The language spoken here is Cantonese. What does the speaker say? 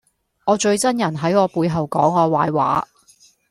我最憎人喺我背後講我壞話